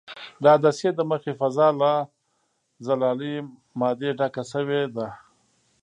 د عدسیې د مخې فضا له زلالیه مادې ډکه شوې ده.